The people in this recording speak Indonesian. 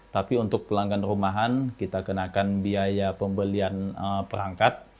tapi untuk pelanggan rumahan kita kenakan biaya pembelian perangkat